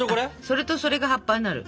それとそれが葉っぱになる。